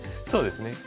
そうですね。